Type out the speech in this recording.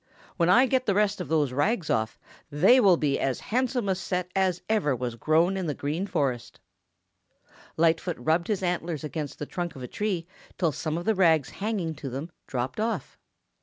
When I get the rest of those rags off, they will be as handsome a set as ever was grown in the Green Forest." Lightfoot rubbed his antlers against the trunk of a tree till some of the rags hanging to them dropped off.